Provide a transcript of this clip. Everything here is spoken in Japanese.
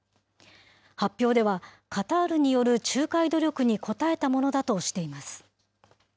発表では、カタールによる仲介努力に応えたものだとしています。